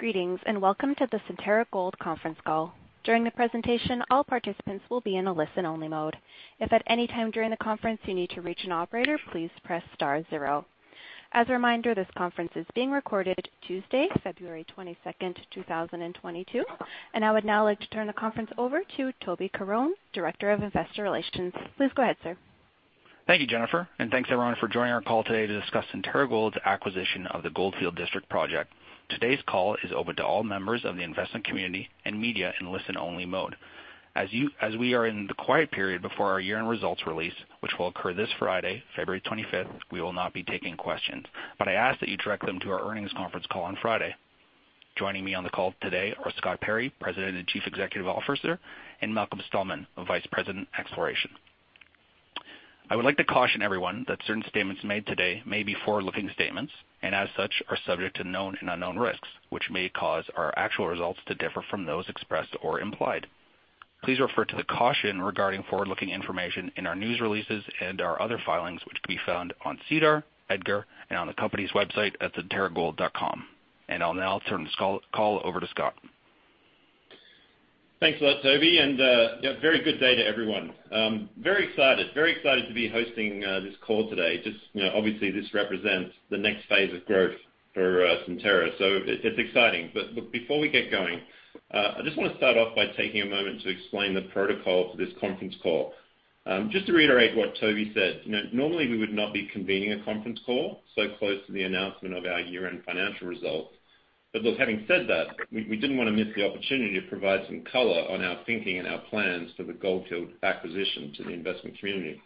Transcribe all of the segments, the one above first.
Greetings, and welcome to the Centerra Gold conference call. During the presentation, all participants will be in a listen-only mode. If at any time during the conference you need to reach an operator, please press star zero. As a reminder, this conference is being recorded Tuesday, February 22nd, 2022. I would now like to turn the conference over to Toby Caron, Director of Investor Relations. Please go ahead, sir. Thank you, Jennifer, and thanks everyone for joining our call today to discuss Centerra Gold's acquisition of the Goldfield District Project. Today's call is open to all members of the investment community and media in listen-only mode. As we are in the quiet period before our year-end results release, which will occur this Friday, February 25th, we will not be taking questions, but I ask that you direct them to our earnings conference call on Friday. Joining me on the call today are Scott Perry, President and Chief Executive Officer, and Malcolm Stallman, Vice President Exploration. I would like to caution everyone that certain statements made today may be forward-looking statements and, as such, are subject to known and unknown risks, which may cause our actual results to differ from those expressed or implied. Please refer to the caution regarding forward-looking information in our news releases and our other filings, which can be found on SEDAR, EDGAR, and on the company's website at centerragold.com. I'll now turn this call over to Scott. Thanks a lot, Toby. Yeah, very good day to everyone. Very excited to be hosting this call today. Just, you know, obviously this represents the next phase of growth for Centerra, so it's exciting. Before we get going, I just want to start off by taking a moment to explain the protocol for this conference call. Just to reiterate what Toby said, you know, normally we would not be convening a conference call so close to the announcement of our year-end financial results. Look, having said that, we didn't want to miss the opportunity to provide some color on our thinking and our plans for the Goldfield acquisition to the investment community.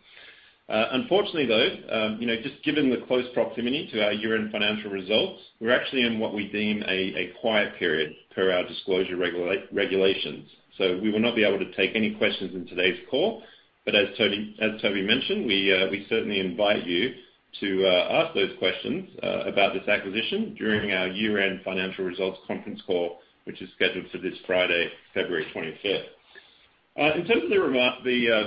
Unfortunately, though, you know, just given the close proximity to our year-end financial results, we're actually in what we deem a quiet period per our disclosure regulations. We will not be able to take any questions in today's call. As Toby mentioned, we certainly invite you to ask those questions about this acquisition during our year-end financial results conference call, which is scheduled for this Friday, February 25. In terms of the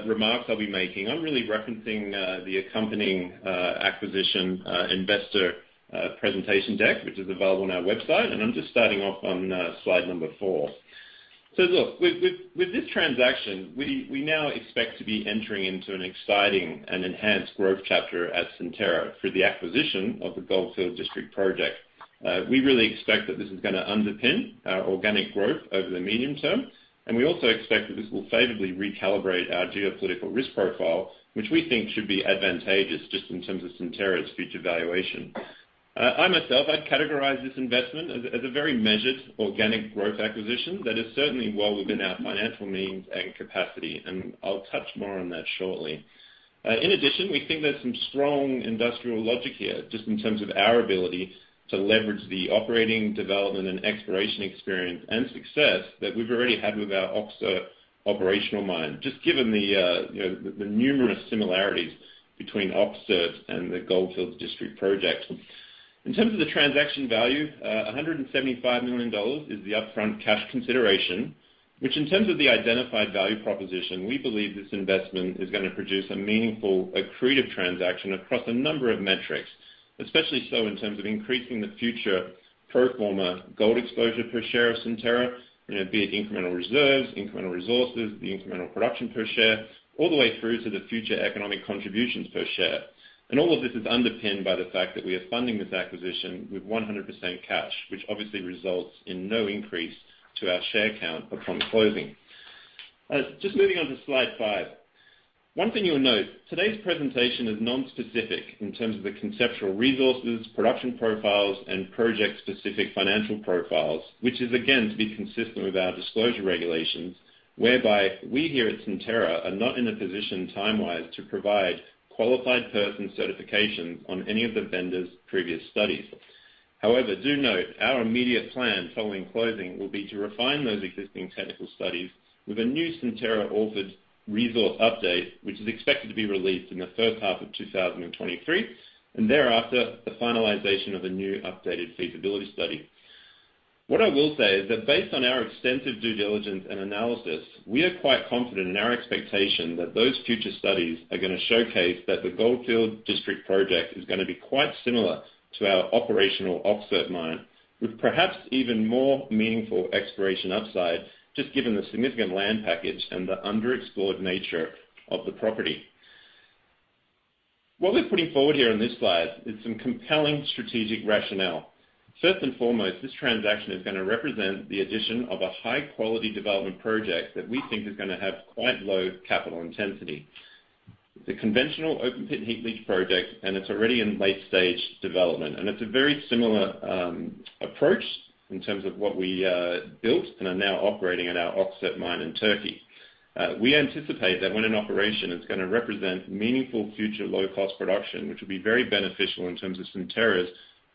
remarks I'll be making, I'm really referencing the accompanying acquisition investor presentation deck, which is available on our website, and I'm just starting off on slide number four. Look, with this transaction, we now expect to be entering into an exciting and enhanced growth chapter at Centerra through the acquisition of the Goldfield District project. We really expect that this is gonna underpin our organic growth over the medium term, and we also expect that this will favorably recalibrate our geopolitical risk profile, which we think should be advantageous just in terms of Centerra's future valuation. I myself, I'd categorize this investment as a very measured organic growth acquisition that is certainly well within our financial means and capacity, and I'll touch more on that shortly. In addition, we think there's some strong industrial logic here just in terms of our ability to leverage the operating, development, and exploration experience and success that we've already had with our Öksüt operational mine, just given the, you know, the numerous similarities between Öksüt and the Goldfield District project. In terms of the transaction value, $175 million is the upfront cash consideration, which in terms of the identified value proposition, we believe this investment is gonna produce a meaningful accretive transaction across a number of metrics, especially so in terms of increasing the future pro forma gold exposure per share of Centerra, you know, be it incremental reserves, incremental resources, the incremental production per share, all the way through to the future economic contributions per share. All of this is underpinned by the fact that we are funding this acquisition with 100% cash, which obviously results in no increase to our share count upon closing. Just moving on to slide five. One thing you'll note, today's presentation is nonspecific in terms of the conceptual resources, production profiles, and project-specific financial profiles, which is, again, to be consistent with our disclosure regulations, whereby we here at Centerra are not in a position time-wise to provide qualified person certifications on any of the vendor's previous studies. However, do note our immediate plan following closing will be to refine those existing technical studies with a new Centerra-authored resource update, which is expected to be released in the first half of 2023, and thereafter, the finalization of a new updated feasibility study. What I will say is that based on our extensive due diligence and analysis, we are quite confident in our expectation that those future studies are gonna showcase that the Goldfield District project is gonna be quite similar to our operational Öksüt mine, with perhaps even more meaningful exploration upside, just given the significant land package and the underexplored nature of the property. What we're putting forward here on this slide is some compelling strategic rationale. First and foremost, this transaction is gonna represent the addition of a high-quality development project that we think is gonna have quite low capital intensity. It's a conventional open-pit heap leach project, and it's already in late-stage development. It's a very similar approach in terms of what we built and are now operating in our Öksüt mine in Turkey. We anticipate that when in operation, it's gonna represent meaningful future low-cost production, which will be very beneficial in terms of Centerra's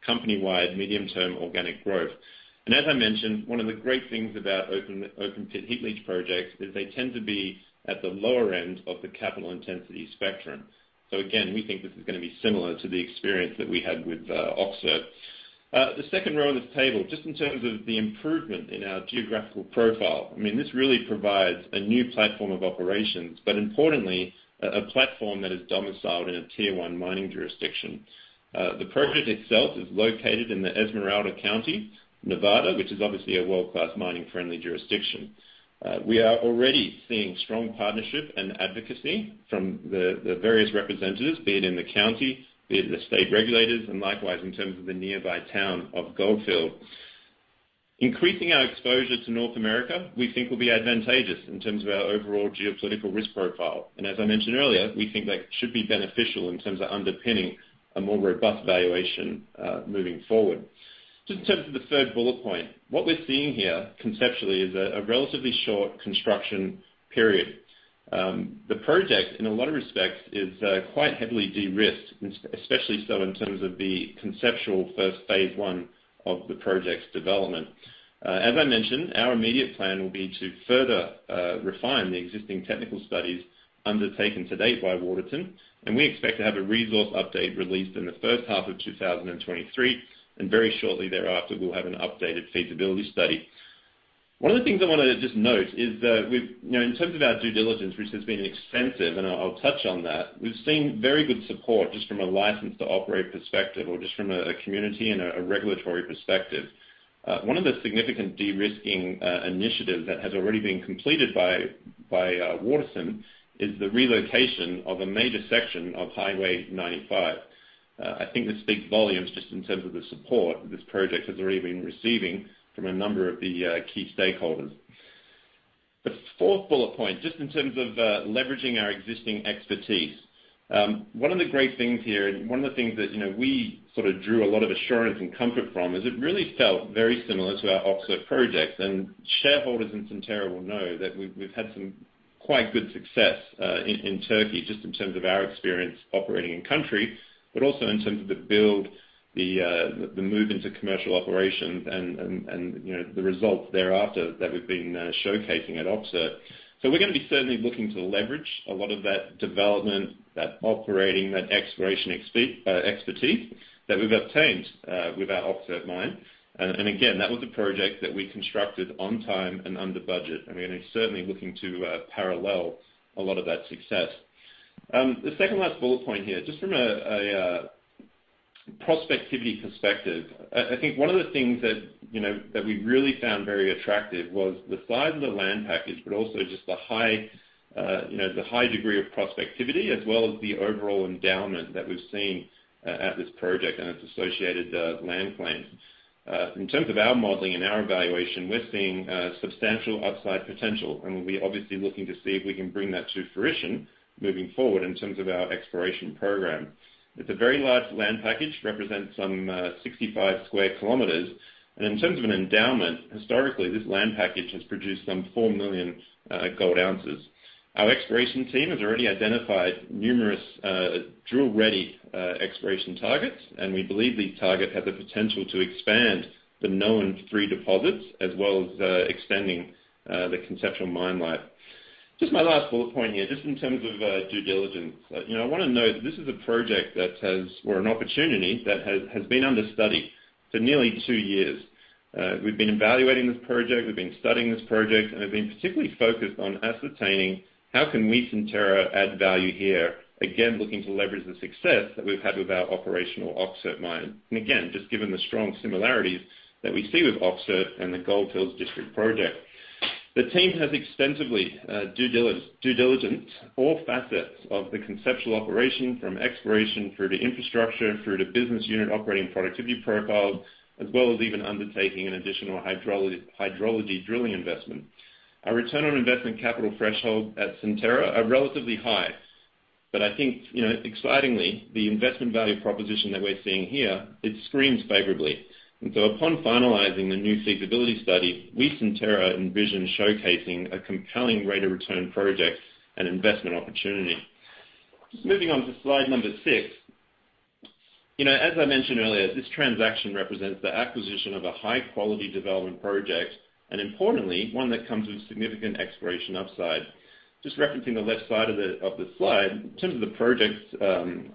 company-wide medium-term organic growth. As I mentioned, one of the great things about open-pit heap leach projects is they tend to be at the lower end of the capital intensity spectrum. Again, we think this is gonna be similar to the experience that we had with Öksüt. The second row of this table, just in terms of the improvement in our geographical profile, I mean, this really provides a new platform of operations, but importantly, a platform that is domiciled in a Tier One mining jurisdiction. The project itself is located in the Esmeralda County, Nevada, which is obviously a world-class mining-friendly jurisdiction. We are already seeing strong partnership and advocacy from the various representatives, be it in the county, be it in the state regulators, and likewise in terms of the nearby town of Goldfield. Increasing our exposure to North America, we think will be advantageous in terms of our overall geopolitical risk profile. As I mentioned earlier, we think that should be beneficial in terms of underpinning a more robust valuation, moving forward. Just in terms of the third bullet point, what we're seeing here conceptually is a relatively short construction period. The project, in a lot of respects, is quite heavily de-risked, especially so in terms of the conceptual first phase one of the project's development. As I mentioned, our immediate plan will be to further refine the existing technical studies undertaken to date by Waterton, and we expect to have a resource update released in the first half of 2023, and very shortly thereafter, we'll have an updated feasibility study. One of the things I wanna just note is that we've. You know, in terms of our due diligence, which has been extensive, and I'll touch on that, we've seen very good support just from a license to operate perspective or just from a community and a regulatory perspective. One of the significant de-risking initiative that has already been completed by Waterton is the relocation of a major section of Highway 95. I think this speaks volumes just in terms of the support this project has already been receiving from a number of the key stakeholders. The fourth bullet point, just in terms of leveraging our existing expertise. One of the great things here, one of the things that, you know, we sort of drew a lot of assurance and comfort from, is it really felt very similar to our Öksüt project. Shareholders in Centerra will know that we've had some quite good success in Turkey just in terms of our experience operating in country, but also in terms of the build, the move into commercial operations and, you know, the results thereafter that we've been showcasing at Öksüt. We're gonna be certainly looking to leverage a lot of that development, that operating, that exploration expertise that we've obtained with our Öksüt mine. That was a project that we constructed on time and under budget, and we're certainly looking to parallel a lot of that success. The second last bullet point here, just from a prospectivity perspective, I think one of the things that you know that we really found very attractive was the size of the land package, but also just the high you know the high degree of prospectivity as well as the overall endowment that we've seen at this project and its associated land claims. In terms of our modeling and our evaluation, we're seeing substantial upside potential, and we'll be obviously looking to see if we can bring that to fruition moving forward in terms of our exploration program. It's a very large land package, represents some 65 sq km. In terms of an endowment, historically, this land package has produced some 4,000,000 oz gold. Our exploration team has already identified numerous drill-ready exploration targets, and we believe these targets have the potential to expand the known three deposits, as well as extending the conceptual mine life. Just my last bullet point here, just in terms of due diligence. You know, I wanna note that this is a project or an opportunity that has been under study for nearly two years. We've been evaluating this project, we've been studying this project, and have been particularly focused on ascertaining how can we, Centerra, add value here, again, looking to leverage the success that we've had with our operational Öksüt mine. Again, just given the strong similarities that we see with Öksüt and the Goldfield District project. The team has extensively due diligence all facets of the conceptual operation, from exploration through to infrastructure through to business unit operating productivity profiles, as well as even undertaking an additional hydrology drilling investment. Our return on investment capital threshold at Centerra are relatively high, but I think, you know, excitingly, the investment value proposition that we're seeing here, it screams favorably. Upon finalizing the new feasibility study, we, Centerra, envision showcasing a compelling rate of return project and investment opportunity. Just moving on to slide number six. You know, as I mentioned earlier, this transaction represents the acquisition of a high-quality development project, and importantly, one that comes with significant exploration upside. Just referencing the left side of the slide, in terms of the project's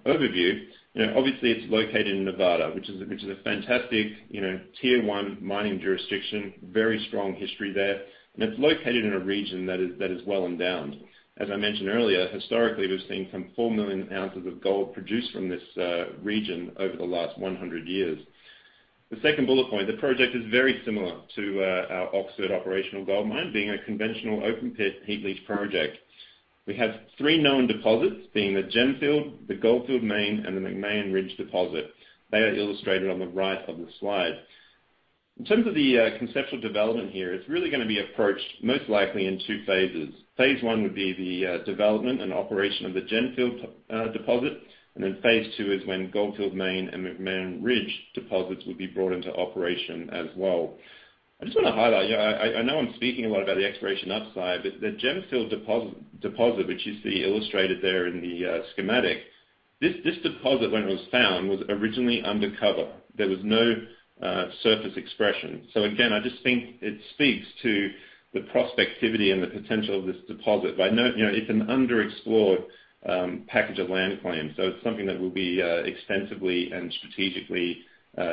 overview, you know, obviously, it's located in Nevada, which is a fantastic, you know, tier one mining jurisdiction, very strong history there. It's located in a region that is well-endowed. As I mentioned earlier, historically, we've seen some 4,000,000 oz of gold produced from this region over the last 100 years. The second bullet point, the project is very similar to our Öksüt operational gold mine, being a conventional open pit heap leach project. We have three known deposits, being the Gemfield, the Goldfield Main, and the McMahon Ridge deposit. They are illustrated on the right of the slide. In terms of the conceptual development here, it's really gonna be approached most likely in two phases. Phase one would be the development and operation of the Gemfield deposit, and then phase two is when Goldfield Main and McMahon Ridge deposits will be brought into operation as well. I just wanna highlight, you know, I know I'm speaking a lot about the exploration upside, but the Gemfield deposit, which you see illustrated there in the schematic, this deposit when it was found, was originally undercover. There was no surface expression. So again, I just think it speaks to the prospectivity and the potential of this deposit. But I know. You know, it's an underexplored package of land claims, so it's something that we'll be extensively and strategically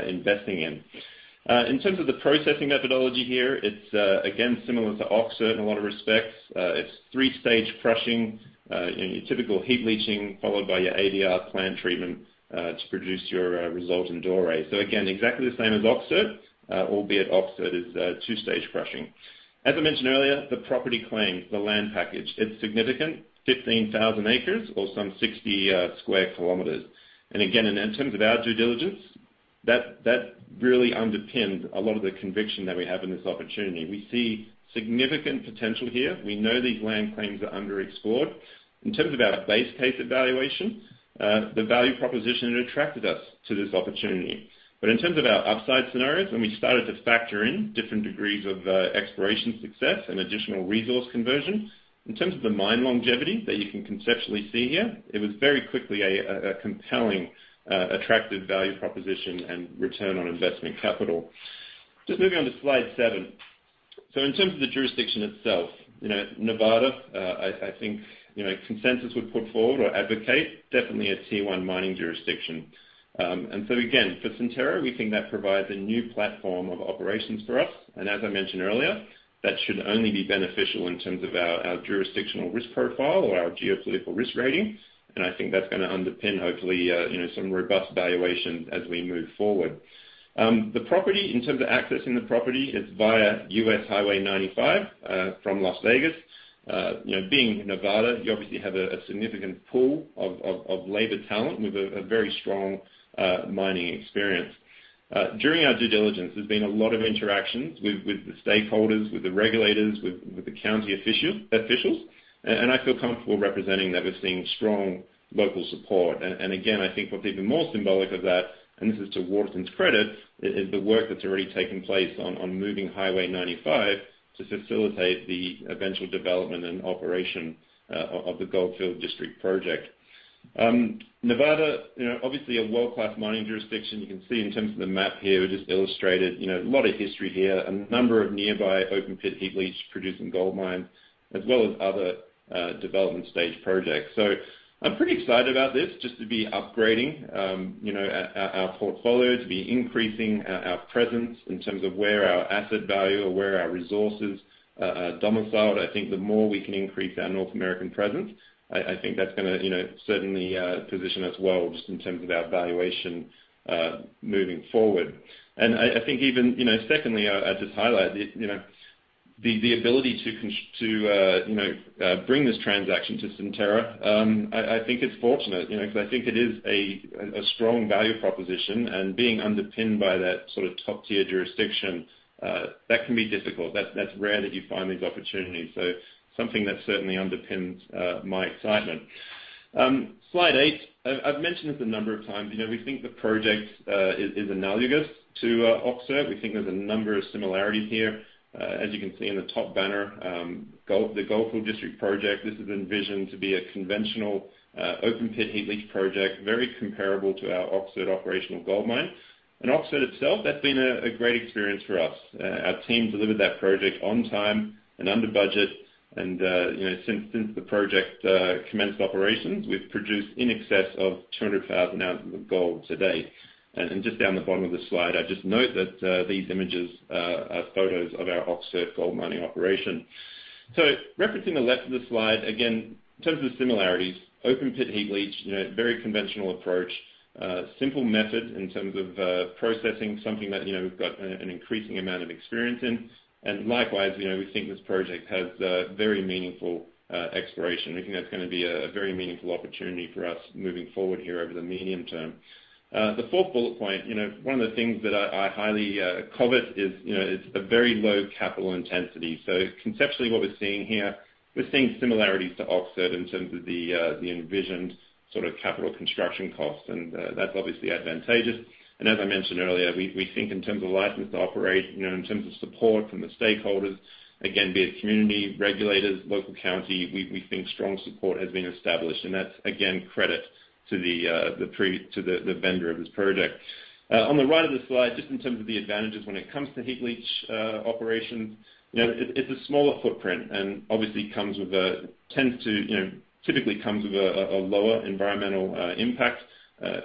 investing in. In terms of the processing methodology here, it's again similar to Öksüt in a lot of respects. It's three-stage crushing, your typical heap leaching, followed by your ADR plant treatment to produce your resultant ore. Again, exactly the same as Öksüt, albeit Öksüt is two-stage crushing. As I mentioned earlier, the property claim, the land package, it's significant, 15,000 acres or some 60 sq km. In terms of our due diligence, that really underpins a lot of the conviction that we have in this opportunity. We see significant potential here. We know these land claims are underexplored. In terms of our base case evaluation, the value proposition attracted us to this opportunity. in terms of our upside scenarios, when we started to factor in different degrees of exploration success and additional resource conversion, in terms of the mine longevity that you can conceptually see here, it was very quickly a compelling attractive value proposition and return on investment capital. Just moving on to slide seven. in terms of the jurisdiction itself, you know, Nevada, I think, you know, consensus would put forward or advocate, definitely a tier one mining jurisdiction. again, for Centerra, we think that provides a new platform of operations for us. as I mentioned earlier, that should only be beneficial in terms of our jurisdictional risk profile or our geopolitical risk rating. I think that's gonna underpin hopefully, you know, some robust valuation as we move forward. The property, in terms of accessing the property, it's via U.S. Highway 95 from Las Vegas. You know, being Nevada, you obviously have a significant pool of labor talent with a very strong mining experience. During our due diligence, there's been a lot of interactions with the stakeholders, with the regulators, with the county officials, and I feel comfortable representing that we're seeing strong local support. Again, I think what's even more symbolic of that, and this is to Waterton's credit, is the work that's already taken place on moving Highway 95 to facilitate the eventual development and operation of the Goldfield District project. Nevada, you know, obviously a world-class mining jurisdiction. You can see in terms of the map here, we just illustrated, you know, a lot of history here, a number of nearby open-pit heap leach producing gold mines, as well as other development stage projects. I'm pretty excited about this just to be upgrading our portfolio, to be increasing our presence in terms of where our asset value or where our resources are domiciled. I think the more we can increase our North American presence, I think that's gonna, you know, certainly position us well just in terms of our valuation moving forward. I think even you know secondly I'll just highlight you know the ability to bring this transaction to Centerra. I think it's fortunate you know because I think it is a strong value proposition and being underpinned by that sort of top-tier jurisdiction that can be difficult. That's rare that you find these opportunities. Something that certainly underpins my excitement. Slide eight. I've mentioned this a number of times. You know we think the project is analogous to Öksüt. We think there's a number of similarities here. As you can see in the top banner the Goldfield District project this is envisioned to be a conventional open-pit heap leach project very comparable to our Öksüt operational gold mine. Oxford itself, that's been a great experience for us. Our team delivered that project on time and under budget. You know, since the project commenced operations, we've produced in excess of 200,000 oz of gold to date. Just down the bottom of the slide, I just note that these images are photos of our Öksüt gold mining operation. Referencing the left of the slide, again, in terms of similarities, open-pit heap leach, you know, very conventional approach, simple method in terms of processing, something that, you know, we've got an increasing amount of experience in. Likewise, you know, we think this project has very meaningful exploration. We think that's gonna be a very meaningful opportunity for us moving forward here over the medium term. The fourth bullet point, you know, one of the things that I highly covet is, you know, it's a very low capital intensity. Conceptually what we're seeing here, we're seeing similarities to Öksüt in terms of the envisioned sort of capital construction costs, and that's obviously advantageous. As I mentioned earlier, we think in terms of license to operate, you know, in terms of support from the stakeholders, again, be it community, regulators, local county, we think strong support has been established. That's again, credit to the vendor of this project. On the right of the slide, just in terms of the advantages when it comes to heap leach operations, you know, it's a smaller footprint and obviously comes with a... Tends to, you know, typically come with a lower environmental impact,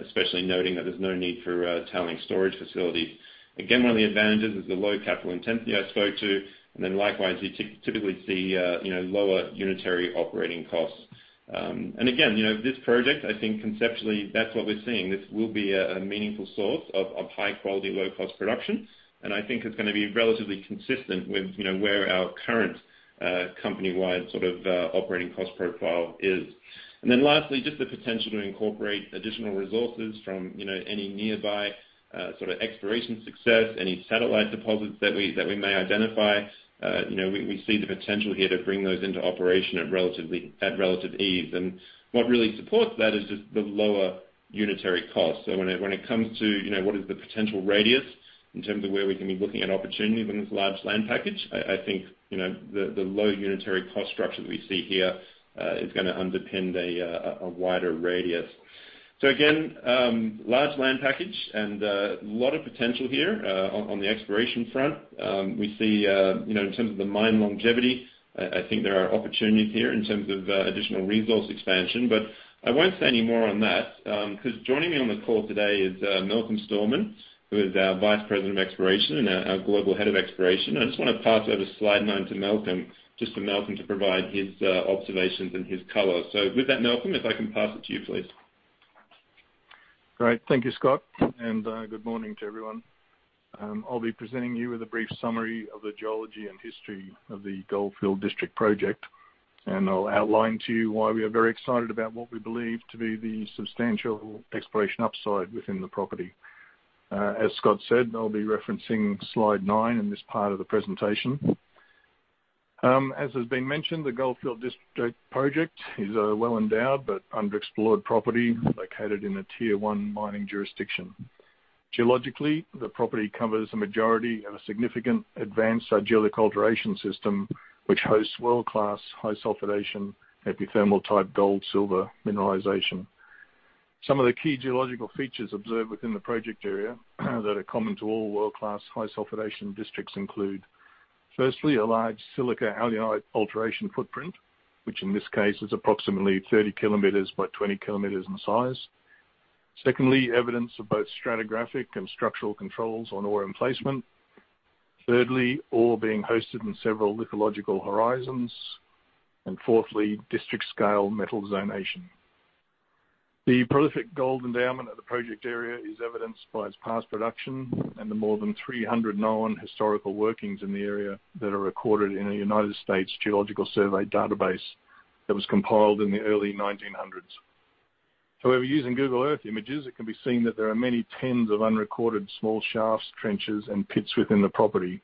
especially noting that there's no need for tailings storage facilities. Again, one of the advantages is the low capital intensity I spoke to. Then likewise, you typically see, you know, lower unit operating costs. Again, you know, this project, I think conceptually, that's what we're seeing. This will be a meaningful source of high-quality, low-cost production. I think it's gonna be relatively consistent with, you know, where our current company-wide sort of operating cost profile is. Then lastly, just the potential to incorporate additional resources from, you know, any nearby sort of exploration success, any satellite deposits that we may identify, you know, we see the potential here to bring those into operation at relative ease. What really supports that is just the lower unitary cost. When it comes to, you know, what is the potential radius in terms of where we can be looking at opportunity within this large land package, I think, you know, the low unitary cost structure that we see here is gonna underpin a wider radius. Again, large land package and a lot of potential here on the exploration front. We see, you know, in terms of the mine longevity, I think there are opportunities here in terms of additional resource expansion, but I won't say any more on that because joining me on the call today is Malcolm Stallman, who is our Vice President of Exploration and our Global Head of Exploration. I just wanna pass over slide nine to Malcolm, just for Malcolm to provide his observations and his color. With that, Malcolm, if I can pass it to you, please. Great. Thank you, Scott, and good morning to everyone. I'll be presenting you with a brief summary of the geology and history of the Goldfield District project, and I'll outline to you why we are very excited about what we believe to be the substantial exploration upside within the property. As Scott said, I'll be referencing slide nine in this part of the presentation. As has been mentioned, the Goldfield District project is a well-endowed but underexplored property located in a Tier one mining jurisdiction. Geologically, the property covers the majority of a significant advanced argillic alteration system, which hosts world-class high-sulfidation epithermal-type gold, silver mineralization. Some of the key geological features observed within the project area that are common to all world-class high sulfidation districts include, firstly, a large silica-alunite alteration footprint, which in this case is approximately 30 km by 20 km in size. Secondly, evidence of both stratigraphic and structural controls on ore emplacement. Thirdly, ore being hosted in several lithological horizons. Fourthly, district-scale metal zonation. The prolific gold endowment of the project area is evidenced by its past production and the more than 300 known historical workings in the area that are recorded in a United States Geological Survey database that was compiled in the early 1900s. However, using Google Earth images, it can be seen that there are many tens of unrecorded small shafts, trenches, and pits within the property.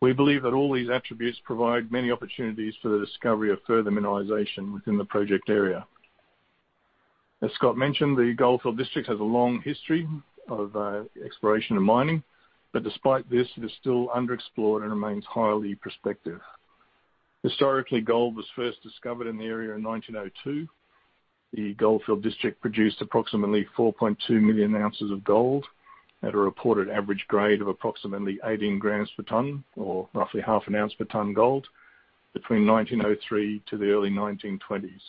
We believe that all these attributes provide many opportunities for the discovery of further mineralization within the project area. As Scott mentioned, the Goldfield District has a long history of exploration and mining. Despite this, it is still underexplored and remains highly prospective. Historically, gold was first discovered in the area in 1902. The Goldfield District produced approximately 4,200,000 oz of gold at a reported average grade of approximately 18 g per ton, or roughly 0.5 oz per ton gold, between 1903 to the early 1920s.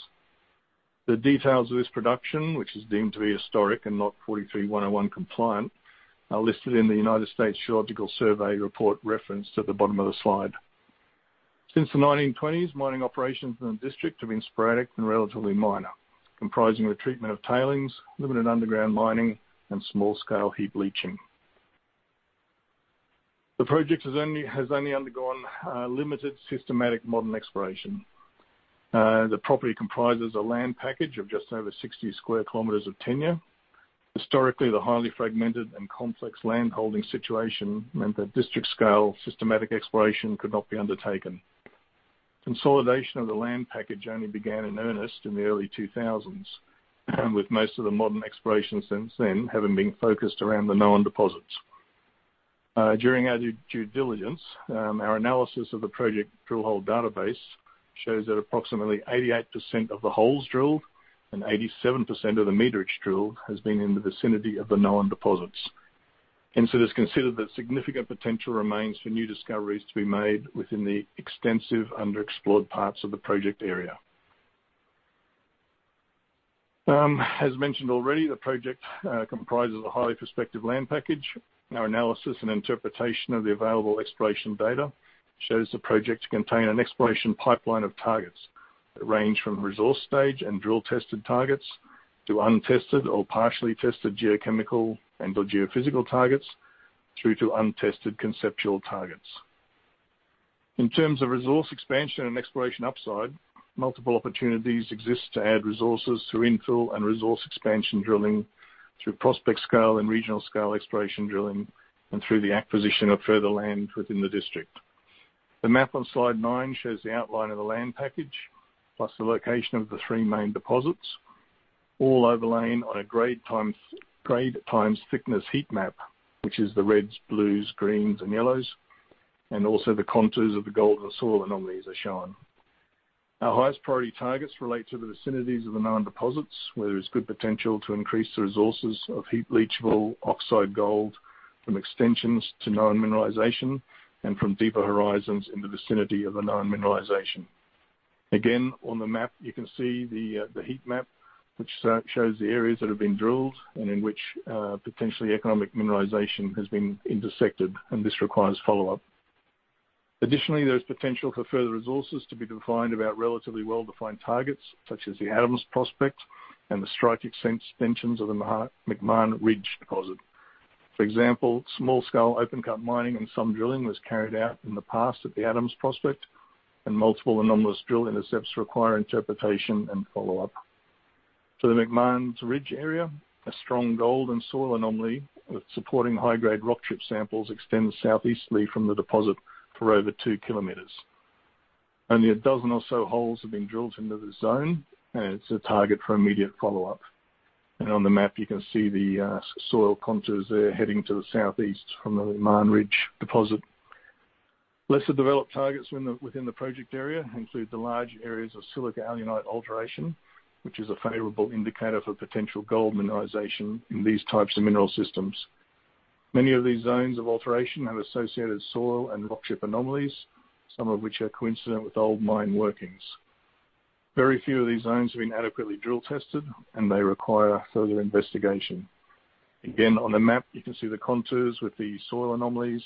The details of this production, which is deemed to be historic and not NI 43-101 compliant, are listed in the United States Geological Survey report referenced at the bottom of the slide. Since the 1920s, mining operations in the district have been sporadic and relatively minor, comprising the treatment of tailings, limited underground mining, and small-scale heap leaching. The project has undergone limited systematic modern exploration. The property comprises a land package of just over 60 sq km of tenure. Historically, the highly fragmented and complex land holding situation meant that district-scale systematic exploration could not be undertaken. Consolidation of the land package only began in earnest in the early 2000s, with most of the modern exploration since then having been focused around the known deposits. During our due diligence, our analysis of the project drill hole database shows that approximately 88% of the holes drilled and 87% of the meterage drilled has been in the vicinity of the known deposits. It is considered that significant potential remains for new discoveries to be made within the extensive underexplored parts of the project area. As mentioned already, the project comprises a highly prospective land package. Our analysis and interpretation of the available exploration data shows the project to contain an exploration pipeline of targets that range from resource stage and drill-tested targets to untested or partially tested geochemical and/or geophysical targets, through to untested conceptual targets. In terms of resource expansion and exploration upside, multiple opportunities exist to add resources through infill and resource expansion drilling through prospect scale and regional scale exploration drilling, and through the acquisition of further land within the district. The map on slide nine shows the outline of the land package, plus the location of the three main deposits, all overlain on a grade times thickness heat map, which is the reds, blues, greens, and yellows, and also the contours of the gold and soil anomalies are shown. Our highest priority targets relate to the vicinities of the known deposits, where there is good potential to increase the resources of heap leachable oxide gold from extensions to known mineralization and from deeper horizons in the vicinity of the known mineralization. Again, on the map you can see the heat map, which shows the areas that have been drilled and in which potentially economic mineralization has been intersected, and this requires follow-up. Additionally, there's potential for further resources to be defined about relatively well-defined targets such as the Adams Prospect and the strike extensions of the McMahon Ridge Deposit. For example, small-scale open cut mining and some drilling was carried out in the past at the Adams Prospect, and multiple anomalous drill intercepts require interpretation and follow-up. To the McMahon's Ridge area, a strong gold and soil anomaly with supporting high-grade rock chip samples extends southeasterly from the deposit for over two kilometers. Only a dozen or so holes have been drilled into the zone. It's a target for immediate follow-up. On the map you can see the soil contours there heading to the southeast from the McMahon Ridge deposit. Lesser developed targets within the project area include the large areas of silica-alunite alteration, which is a favorable indicator for potential gold mineralization in these types of mineral systems. Many of these zones of alteration have associated soil and rock chip anomalies, some of which are coincident with old mine workings. Very few of these zones have been adequately drill-tested, and they require further investigation. Again, on the map, you can see the contours with the soil anomalies.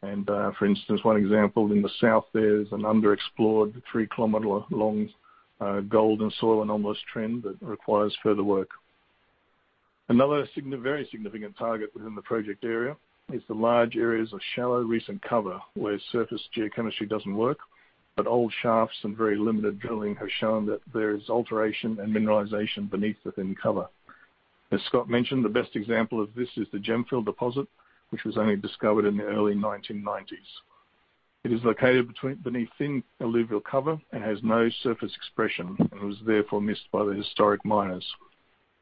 For instance, one example in the south, there's an underexplored 3 km-long gold and soil anomalous trend that requires further work. Another very significant target within the project area is the large areas of shallow recent cover, where surface geochemistry doesn't work, but old shafts and very limited drilling have shown that there is alteration and mineralization beneath the thin cover. As Scott mentioned, the best example of this is the Gemfield deposit, which was only discovered in the early 1990s. It is located beneath thin alluvial cover and has no surface expression and was therefore missed by the historic miners.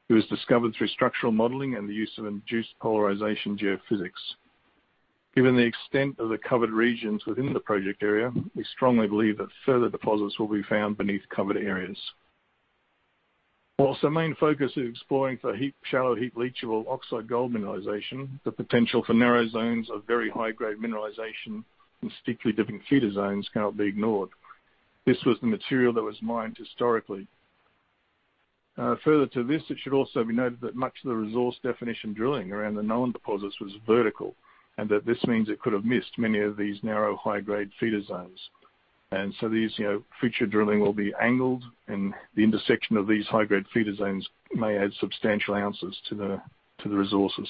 It was discovered through structural modeling and the use of induced polarization geophysics. Given the extent of the covered regions within the project area, we strongly believe that further deposits will be found beneath covered areas. While the main focus is exploring for shallow heap leachable oxide gold mineralization, the potential for narrow zones of very high-grade mineralization and steeply dipping feeder zones cannot be ignored. This was the material that was mined historically. Further to this, it should also be noted that much of the resource definition drilling around the known deposits was vertical, and that this means it could have missed many of these narrow, high-grade feeder zones. These, you know, future drilling will be angled, and the intersection of these high-grade feeder zones may add substantial ounces to the resources.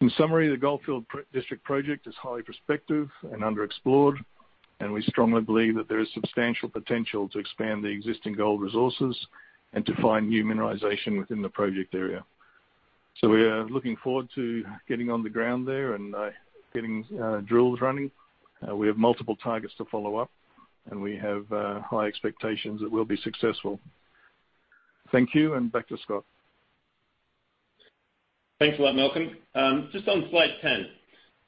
In summary, the Goldfield District project is highly prospective and underexplored, and we strongly believe that there is substantial potential to expand the existing gold resources and to find new mineralization within the project area. We are looking forward to getting on the ground there and getting drills running. We have multiple targets to follow up, and we have high expectations that we'll be successful. Thank you, and back to Scott. Thanks a lot, Malcolm. Just on slide 10.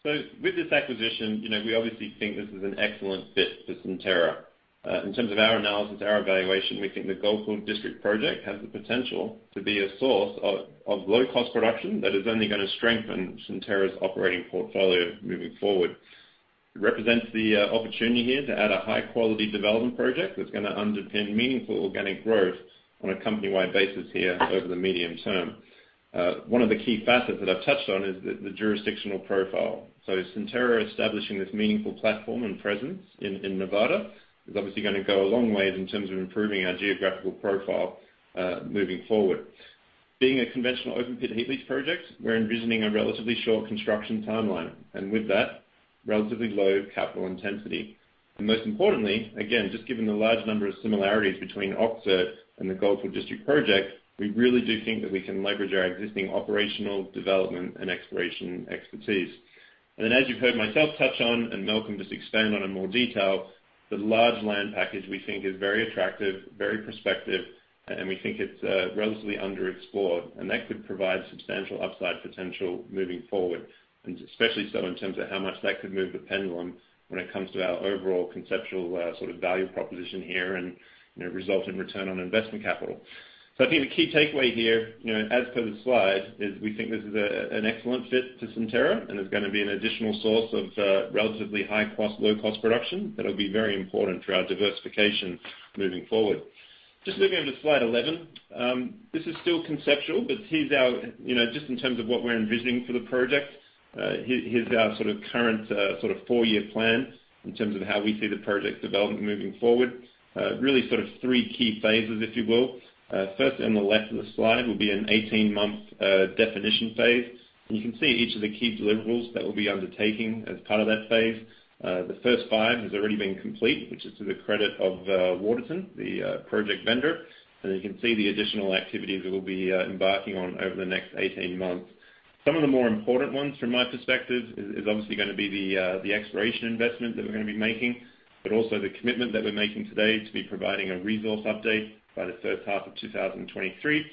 With this acquisition, you know, we obviously think this is an excellent fit for Centerra. In terms of our analysis, our evaluation, we think the Goldfield District project has the potential to be a source of low-cost production that is only gonna strengthen Centerra's operating portfolio moving forward. It represents the opportunity here to add a high-quality development project that's gonna underpin meaningful organic growth on a company-wide basis here over the medium term. One of the key facets that I've touched on is the jurisdictional profile. Centerra establishing this meaningful platform and presence in Nevada is obviously gonna go a long way in terms of improving our geographical profile moving forward. Being a conventional open-pit heap leach project, we're envisioning a relatively short construction timeline, and with that, relatively low capital intensity. Most importantly, again, just given the large number of similarities between Öksüt and the Goldfield District project, we really do think that we can leverage our existing operational development and exploration expertise. Then, as you've heard myself touch on and Malcolm just expand on in more detail, the large land package, we think, is very attractive, very prospective, and we think it's relatively underexplored, and that could provide substantial upside potential moving forward, and especially so in terms of how much that could move the pendulum when it comes to our overall conceptual sort of value proposition here and, you know, result in return on investment capital. I think the key takeaway here, you know, as per the slide, is we think this is an excellent fit to Centerra, and it's gonna be an additional source of relatively high cost, low-cost production that'll be very important for our diversification moving forward. Just moving on to slide 11. This is still conceptual, but here's our just in terms of what we're envisioning for the project, here's our sort of current sort of four-year plan in terms of how we see the project development moving forward. Really sort of three key phases, if you will. First on the left of the slide will be an 18-month definition phase. You can see each of the key deliverables that we'll be undertaking as part of that phase. The first five has already been complete, which is to the credit of Waterton, the project vendor. You can see the additional activities that we'll be embarking on over the next 18 months. Some of the more important ones from my perspective is obviously gonna be the exploration investment that we're gonna be making, but also the commitment that we're making today to be providing a resource update by the first half of 2023.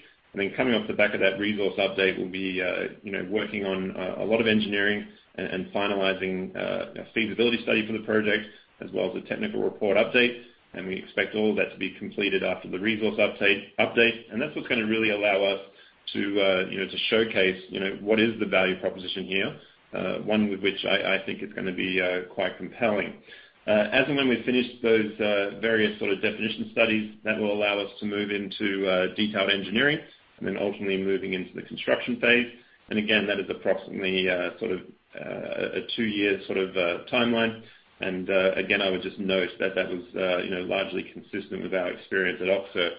Coming off the back of that resource update, we'll be you know, working on a lot of engineering and finalizing a feasibility study for the project as well as a technical report update. We expect all that to be completed after the resource update. That's what's gonna really allow us to, you know, to showcase, you know, what is the value proposition here, one with which I think is gonna be quite compelling. As and when we finish those various sort of definition studies, that will allow us to move into detailed engineering and then ultimately moving into the construction phase. Again, that is approximately a two-year sort of timeline. Again, I would just note that that was you know, largely consistent with our experience at Öksüt.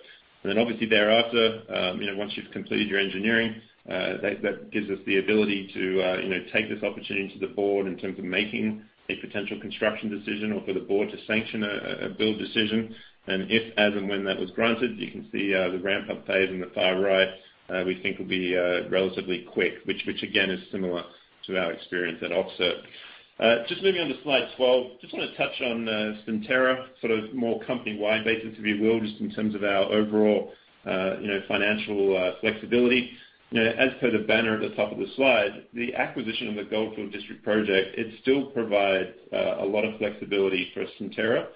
Then obviously thereafter, you know, once you've completed your engineering, that gives us the ability to, you know, take this opportunity to the board in terms of making a potential construction decision or for the board to sanction a build decision. If, as and when that was granted, you can see, the ramp-up phase on the far right, we think will be relatively quick, which again, is similar to our experience at Öksüt. Just moving on to slide 12. Just wanna touch on, Centerra, sort of more company-wide basis, if you will, just in terms of our overall, you know, financial, flexibility. You know, as per the banner at the top of the slide, the acquisition of the Goldfield District project, it still provides, a lot of flexibility for Centerra,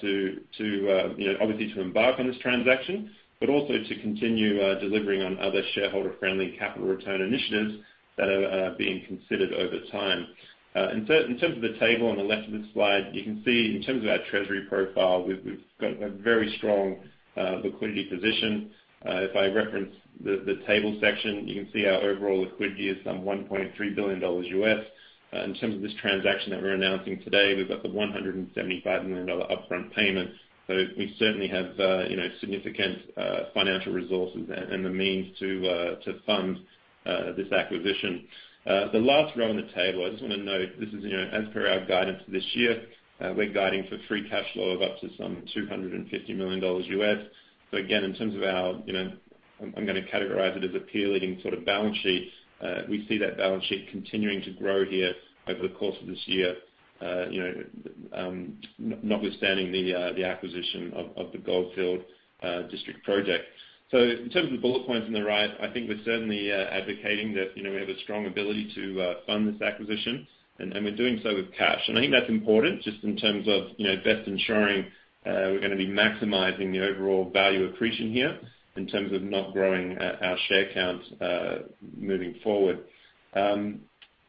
to, you know, obviously to embark on this transaction, but also to continue, delivering on other shareholder-friendly capital return initiatives that are being considered over time. In terms of the table on the left of this slide, you can see in terms of our treasury profile, we've got a very strong liquidity position. If I reference the table section, you can see our overall liquidity is some $1.3 billion. In terms of this transaction that we're announcing today, we've got the $175 million upfront payment. We certainly have, you know, significant financial resources and the means to fund this acquisition. The last row in the table, I just wanna note this is, you know, as per our guidance this year, we're guiding for free cash flow of up to some $250 million. Again, in terms of our, you know, I'm gonna categorize it as a peer-leading sort of balance sheet. We see that balance sheet continuing to grow here over the course of this year, notwithstanding the acquisition of the Goldfield District project. In terms of the bullet points on the right, I think we're certainly advocating that we have a strong ability to fund this acquisition, and we're doing so with cash. I think that's important just in terms of best ensuring we're gonna be maximizing the overall value accretion here in terms of not growing our share count moving forward.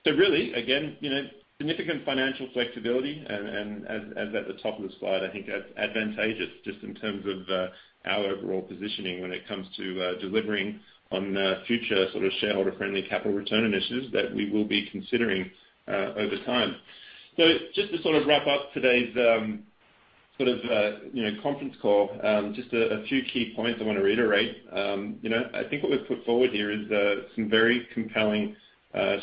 Really, again, you know, significant financial flexibility and as at the top of the slide, I think advantageous just in terms of our overall positioning when it comes to delivering on future sort of shareholder-friendly capital return initiatives that we will be considering over time. Just to sort of wrap up today's sort of you know, conference call, just a few key points I wanna reiterate. You know, I think what we've put forward here is some very compelling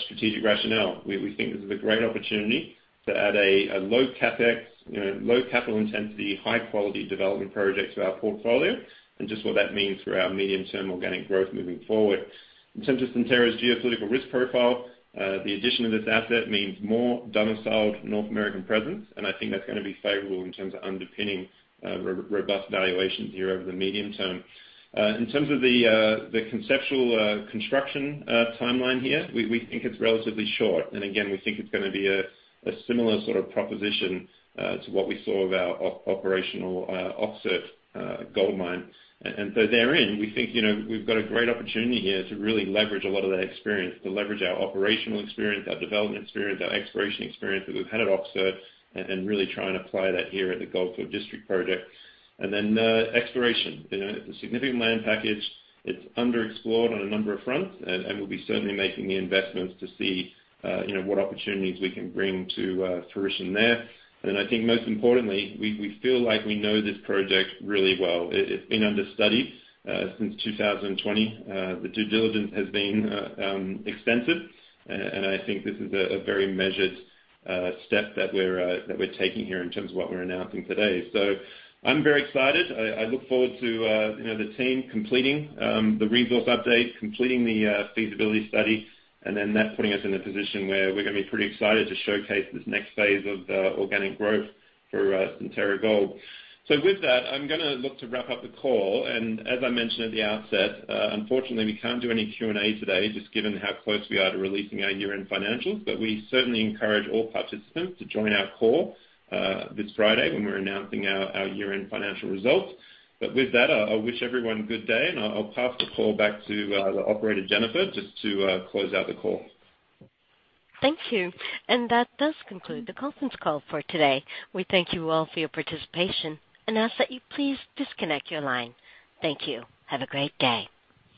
strategic rationale. We think this is a great opportunity to add a low CapEx, you know, low capital intensity, high quality development project to our portfolio and just what that means for our medium-term organic growth moving forward. In terms of Centerra's geopolitical risk profile, the addition of this asset means more domiciled North American presence, and I think that's gonna be favorable in terms of underpinning robust valuations here over the medium term. In terms of the conceptual construction timeline here, we think it's relatively short. Again, we think it's gonna be a similar sort of proposition to what we saw at our operational Öksüt gold mine. Therein, we think, you know, we've got a great opportunity here to really leverage a lot of that experience, to leverage our operational experience, our development experience, our exploration experience that we've had at Öksüt and really try and apply that here at the Goldfield District project. Exploration. You know, it's a significant land package. It's underexplored on a number of fronts. We'll be certainly making the investments to see, you know, what opportunities we can bring to fruition there. I think most importantly, we feel like we know this project really well. It's been under study since 2020. The due diligence has been extensive. I think this is a very measured step that we're taking here in terms of what we're announcing today. I'm very excited. I look forward to, you know, the team completing the resource update, completing the feasibility study, and then that putting us in a position where we're gonna be pretty excited to showcase this next phase of organic growth for Centerra Gold. With that, I'm gonna look to wrap up the call, and as I mentioned at the outset, unfortunately, we can't do any Q&A today just given how close we are to releasing our year-end financials. We certainly encourage all participants to join our call this Friday when we're announcing our year-end financial results. With that, I wish everyone good day, and I'll pass the call back to the operator, Jennifer, just to close out the call. Thank you. That does conclude the conference call for today. We thank you all for your participation and ask that you please disconnect your line. Thank you. Have a great day.